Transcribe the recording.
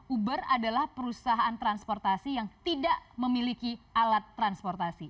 uber adalah perusahaan transportasi yang tidak memiliki alat transportasi